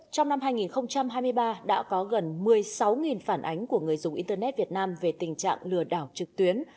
trong năm hai nghìn hai mươi ba đã có gần một mươi sáu phản ánh của người dùng internet việt nam về tình trạng lừa đảo trực tuyến